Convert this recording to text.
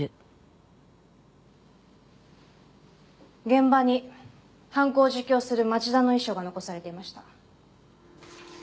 現場に犯行を自供する町田の遺書が残されていました。